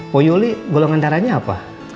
pok yoli golongan darahnya apa